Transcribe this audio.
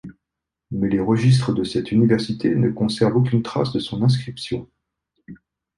Mais les registres de cette université ne conservent aucune trace de son inscription.